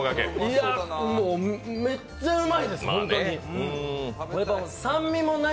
めっちゃうまいです、ホントに。